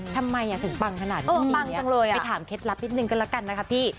ทำไมถึงปังขนาดนี้ปังจังเลยไปถามเคล็ดลับนิดนึงก็แล้วกันนะคะพี่